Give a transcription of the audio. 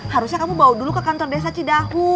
harusnya kamu bawa dulu ke kantor desa cidahu